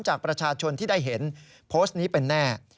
จากประชาชนที่ได้เห็นโพสต์นี้เป็นแน่